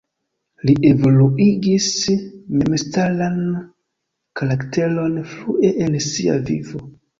Li evoluigis memstaran karakteron frue en sia vivo.